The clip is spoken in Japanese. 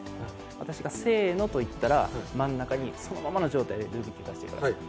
私が、せーのと言ったら真ん中にそのままの状態でルービックを出してください。